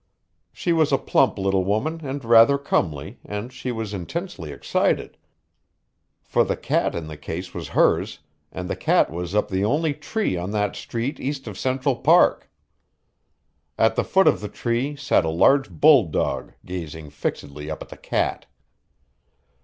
She was a plump little woman and rather comely and she was intensely excited, for the cat in the case was hers and the cat was up the only tree on that street east of Central Park. At the foot of the tree sat a large bulldog gazing fixedly up at the cat.